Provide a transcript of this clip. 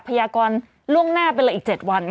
พญากรล่วงหน้าไปละอีก๗วันค่ะ